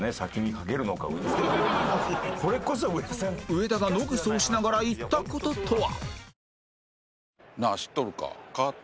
上田が野糞をしながら言った事とは？